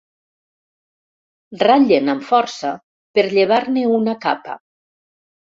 Ratllen amb força per llevar-ne una capa.